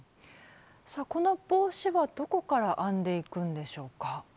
この帽子はどこから編んでいくんでしょうか？